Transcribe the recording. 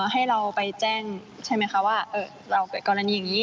ให้เราไปแจ้งใช่ไหมคะว่าเราเกิดกรณีอย่างนี้